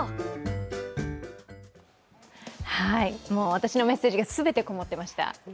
私のメッセージが全てこもってました。